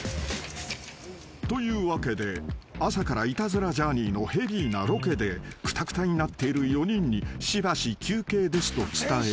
［というわけで朝から『イタズラ×ジャーニー』のヘビーなロケでくたくたになっている４人にしばし休憩ですと伝え］